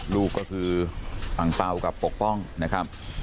ลูกก็คืออังเปล่ากับปกป้องนะครับ